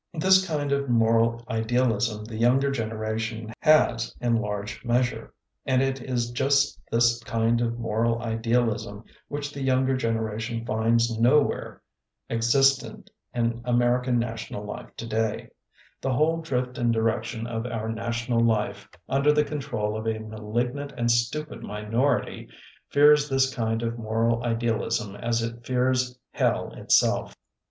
This kind of moral idealism the younger generation has in large measure; and it is just this kind of moral idealism which the younger generation finds nowhere ex istent in American national life today* The whole drift and direction of our national life, under the control of a malignant and stupid minority, fears this kind of moral idealism as it fears hell itself.